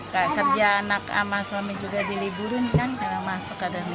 ya kerja anak sama suami juga diliburin kan masuk ke dalam libur